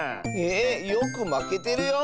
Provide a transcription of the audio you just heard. えよくまけてるよ。